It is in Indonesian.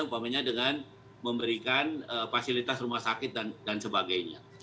umpamanya dengan memberikan fasilitas rumah sakit dan sebagainya